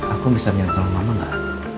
aku bisa bantu mama gak